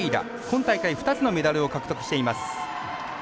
今大会２つのメダルを獲得しています。